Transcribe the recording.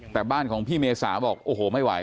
แต่บ้านของพี่เมษาบอกโอ้โหไม่ไหว